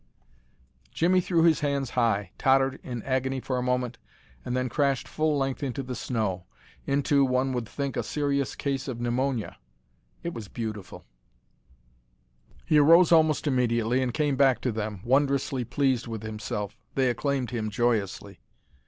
Jimmie threw his hands high, tottered in agony for a moment, and then crashed full length into the snow into, one would think, a serious case of pneumonia. It was beautiful. [Illustration: THE EXECUTION] He arose almost immediately and came back to them, wondrously pleased with himself. They acclaimed him joyously.